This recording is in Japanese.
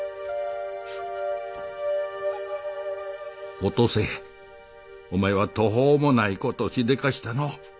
お登勢お前は途方もないことをしでかしたの。